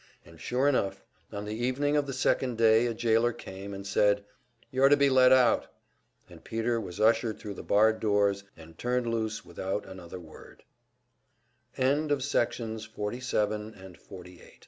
And sure enough, on the evening of the second day a jailer came and said: "You're to be let out." And Peter was ushered thru the barred doors and turned loose without another word. Section 49 Peter went to Room 427 of the American